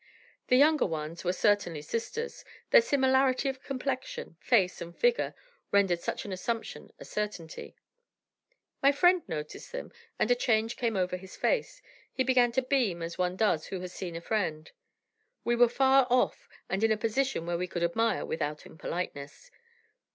The younger ones were certainly sisters; their similarity of complexion, face and figure rendered such an assumption a certainty. My friend noticed them, and a change came over his face; he began to beam as one does who has seen a friend. We were far off, and in a position where we could admire, without impoliteness.